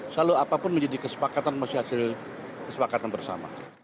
selalu apapun menjadi kesepakatan masih hasil kesepakatan bersama